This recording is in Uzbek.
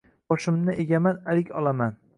Boshimni egaman, alik olaman.